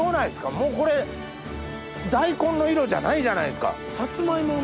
もうこれ大根の色じゃないじゃないですか。